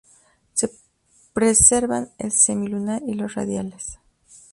Se preservan el semilunar y los radiales.